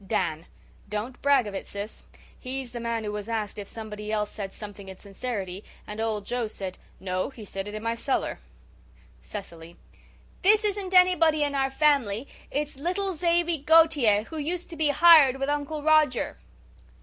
DAN: "Don't brag of it, Sis. He's the man who was asked if somebody else said something in sincerity and old Joe said 'No, he said it in my cellar.'" CECILY: "This isn't anybody in our family. It's little Xavy Gautier who used to be hired with Uncle Roger."